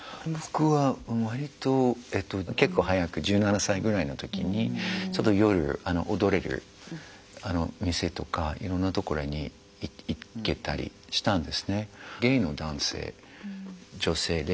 僕は割とえっと結構早く１７歳ぐらいの時にちょっと夜踊れる店とかいろんな所に行けたりしたんですね。